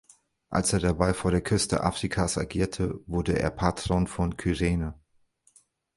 Als er dabei vor der Küste Afrikas agierte, wurde er Patron von Kyrene.